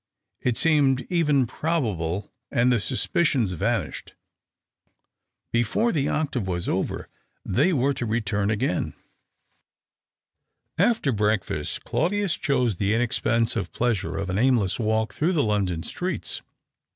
It seemed even probable, and the suspicions vanished. Before the octave was over they were to re turn again. After breakfast Claudius chose the inexpen sive pleasure of an aimless walk through the London streets.